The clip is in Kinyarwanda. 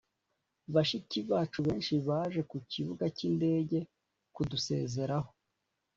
bashiki bacu benshi baje ku kibuga cy indege kudusezeraho